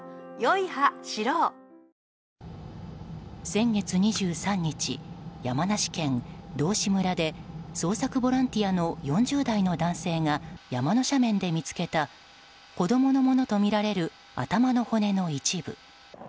先月２３日、山梨県道志村で捜索ボランティアの４０代の男性が山の斜面で見つけた子供のものとみられる頭の骨の一部。